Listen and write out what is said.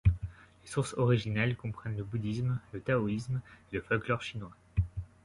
Les sources originelles comprennent le bouddhisme, le taoïsme et le folklore chinois.